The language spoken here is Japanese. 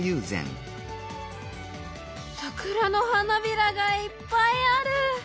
桜の花びらがいっぱいある。